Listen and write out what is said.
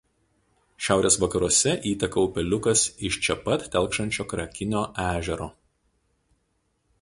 Šiaurės vakaruose įteka upeliukas iš čia pat telkšančio Krakinio ežero.